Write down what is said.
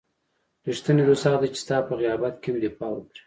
رښتینی دوست هغه دی چې ستا په غیابت کې هم دفاع کړي.